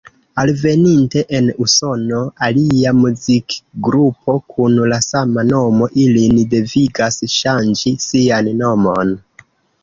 Alveninte en Usono, alia muzikgrupo kun la sama nomo ilin devigas ŝanĝi sian nomon.